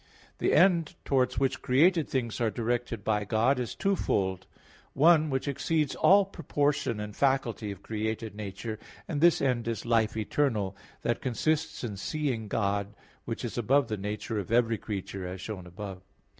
The end towards which created things are directed by God is twofold; one which exceeds all proportion and faculty of created nature; and this end is life eternal, that consists in seeing God which is above the nature of every creature, as shown above (Q.